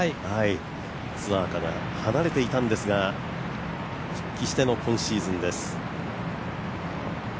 ツアーから離れていたんですが復帰しての今シーズンです。